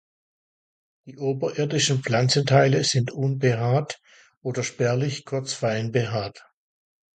Die oberirdischen Pflanzenteile sind unbehaart oder spärlich kurz fein behaart.